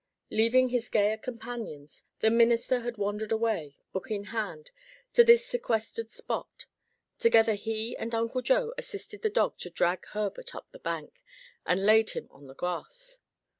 Leaving his gayer companions, the minister had wandered away, book in hand, to this sequestered spot. Together he and Uncle Joe assisted the dog to drag Herbert up the bank, and laid him on the grass.